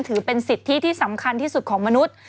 ถือเป็นสิทธิที่สำคัญที่สุดของมนุษย์